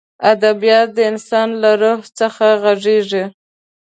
ادبیات د انسان له روح څخه غږېږي.